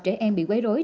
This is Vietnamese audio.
trẻ em bị quấy rối